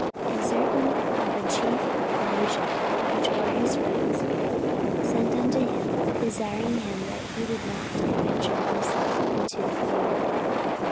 44:019:031 And certain of the chief of Asia, which were his friends, sent unto him, desiring him that he would not adventure himself into the theatre.